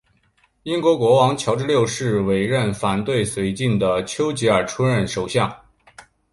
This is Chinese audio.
英国国王乔治六世委任反对绥靖的邱吉尔出任首相。